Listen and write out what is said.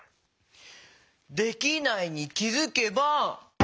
「できないに気づけば」。